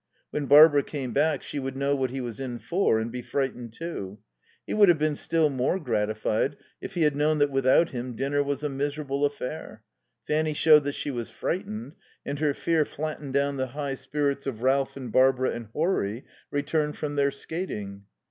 When Barbara came back she would know what he was in for and be frightened, too. He would have been still more gratified if he had known that without him dinner was a miserable affair. Fanny showed that she was frightened, and her fear flattened down the high spirits of Ralph and Barbara and Horry, returned from their skating.